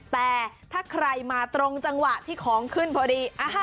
แต่ถ้าใครมาตรงจังหวะที่ของขึ้นพอดี